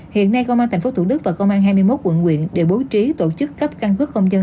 hiện nay công an tp thủ đức và công an hai mươi một quận nguyện đều bố trí tổ chức cấp căn cước công dân